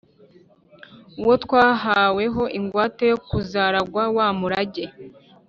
Uwo twahaweho ingwate yo kuzaragwa wa murage,